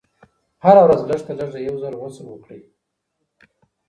هره ورځ لږ تر لږه یو ځل غسل وکړئ.